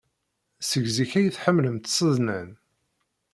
Seg zik ay t-ḥemmlent tsednan.